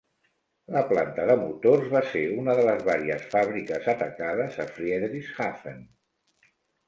La planta de motors va ser una de les vàries fàbriques atacades a Friedrichshafen.